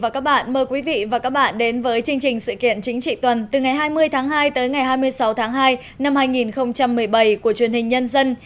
các bạn hãy đăng ký kênh để ủng hộ kênh của chúng mình nhé